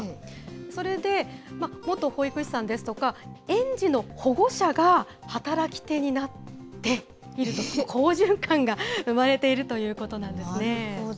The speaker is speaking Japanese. それで、元保育士さんですとか、園児の保護者が働き手になっているという好循環が生まれているとなるほど。